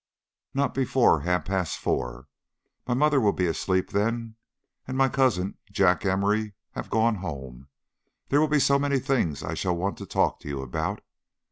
"Not before half past four. My mother will be asleep then, and my cousin, Jack Emory, have gone home there will be so many things I shall want to talk to you about."